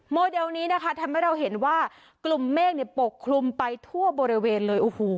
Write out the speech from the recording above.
โมเดลนี้นะคะทำให้เราเห็นว่ากลุ่มเมฆปกคลุมไปทั่วบริเวณเลยโอ้โห